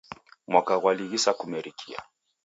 Mwaka ghwalighisa kumerekia.